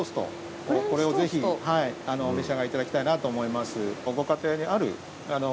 これをぜひお召し上がりいただきたいなと思います。